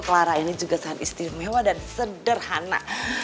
clara ini juga sangat istimewa dan sederhana